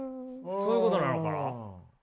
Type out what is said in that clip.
そういうことなのかな。